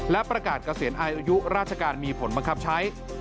และประกาศเกษียณอายุราชการมีผลบังคับใช้